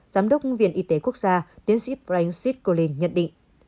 giám đốc viện y tế quốc gia tiến sĩ francis collins nhận định